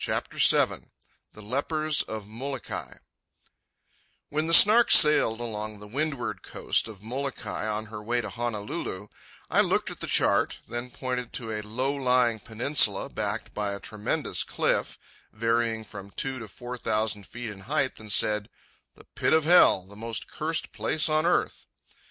CHAPTER VII THE LEPERS OF MOLOKAI When the Snark sailed along the windward coast of Molokai, on her way to Honolulu, I looked at the chart, then pointed to a low lying peninsula backed by a tremendous cliff varying from two to four thousand feet in height, and said: "The pit of hell, the most cursed place on earth."